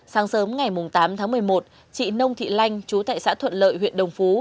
sáng sớm ngày tám tháng một mươi một chị nông thị lanh chú tại xã thuận lợi huyện đồng phú